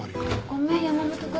ごめん山本君。